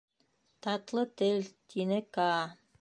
Татлы тел... — тине Каа.